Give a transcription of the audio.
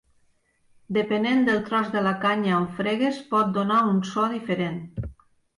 Depenent del tros de la canya on fregues pot donar un so diferent.